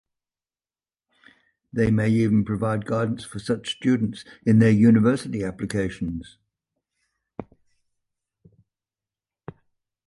They may even provide guidance for such students in their university applications.